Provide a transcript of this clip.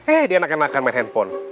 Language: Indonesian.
eh dia enakan enakan main handphone